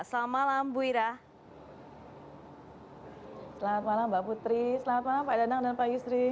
selamat malam mbak putri selamat malam pak danang dan pak yusri